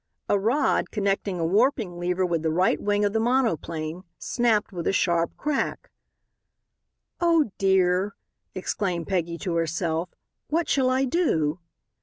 A rod, connecting a warping lever with the right wing of the monoplane, snapped with a sharp crack. "Oh, dear!" exclaimed Peggy to herself, "what shall I do?"